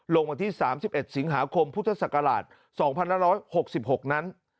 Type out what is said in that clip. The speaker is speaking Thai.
วันที่๓๑สิงหาคมพุทธศักราช๒๑๖๖นั้น